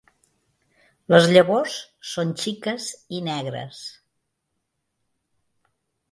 Les llavors són xiques i negres.